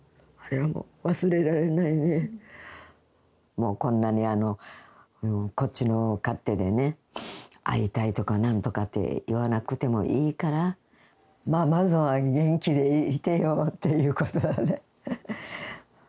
もうこんなにこっちの勝手でね会いたいとか何とかって言わなくてもいいからまあまずは元気でいてよということよね。